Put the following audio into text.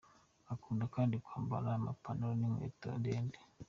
Akunda kandi kwambara amapantaro n’inkweto ndende.